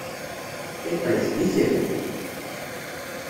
Iṭij, d itri.